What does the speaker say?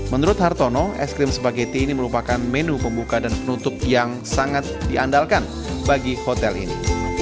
menurut hartono es krim spaghetti ini merupakan menu pembuka dan penutup yang sangat diandalkan bagi hotel ini